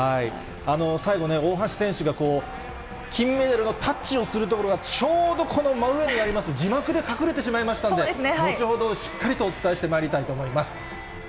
最後、大橋選手が金メダルのタッチをするところが、ちょうどこの真上にあります、字幕で隠れてしまいましたんで、後ほど、しっかりとお伝えしてまいりたいと思います。